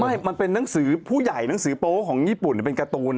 มันเป็นหนังสือผู้ใหญ่หนังสือโป๊ของญี่ปุ่นเป็นการ์ตูน